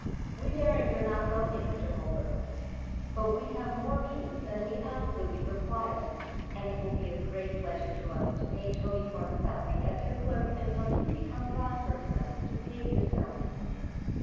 We Darings are not wealthy, Mr. Holbrook, but we have more means than we absolutely require and it will be a great pleasure to us to pay Toby Clark's salary as your clerk until you become prosperous enough to pay it yourself.